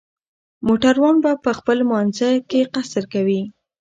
موټروان به په خپل لمانځه کې قصر کوي